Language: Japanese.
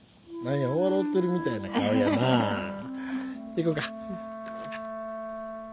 行こか。